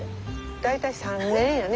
大体３年やね。